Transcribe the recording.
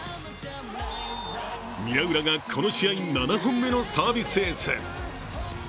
宮浦がこの試合７本目のサービスエース。